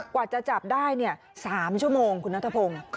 กว่าจะจับได้๓ชั่วโมงคุณนัทพงศ์